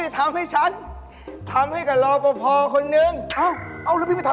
กลับไปเฮ้ยเจอราปภพอคนนั้น